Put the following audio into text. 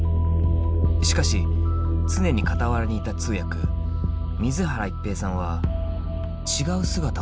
しかし常に傍らにいた通訳水原一平さんは違う姿を見ていた。